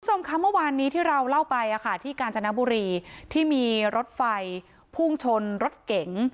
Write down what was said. คุณผู้ชมคะเมื่อวานนี้ที่เราเล่าไปที่กาญจนบุรีที่มีรถไฟพุ่งชนรถเก๋ง